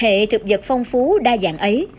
hệ thực dật phong phú đa dạng ấy